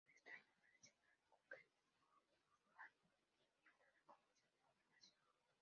En ese año fue designado concejal y miembro de la Comisión de Gobernación.